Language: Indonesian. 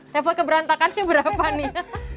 level keberantakannya berapa nih